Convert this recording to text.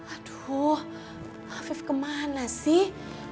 aduh afif kemana sih